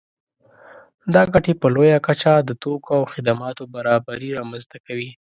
دا ګټې په لویه کچه د توکو او خدماتو برابري رامنځته کوي